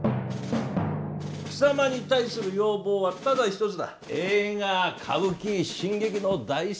貴様に対する要望はただ一つだ。